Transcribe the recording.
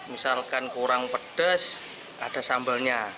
misalkan kurang pedas ada sambalnya